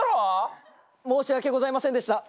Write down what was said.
申し訳ございませんでした。